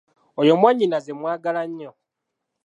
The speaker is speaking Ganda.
Oyo mwannyinaze mwagala nnyo.